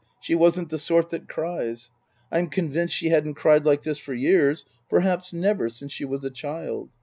She wasn't the sort that cries. I'm convinced she hadn't cried like this for years, perhaps never since she was a child.